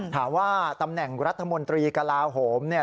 ถามว่าตำแหน่งรัฐมนตรีกลาโหมเนี่ย